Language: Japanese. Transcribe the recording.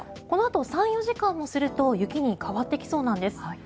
このあと３４時間もすると雪に変わってきそうなんです。